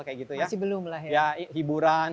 kayak gitu ya masih belum lah ya ya hiburan